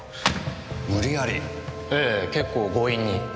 ええ結構強引に。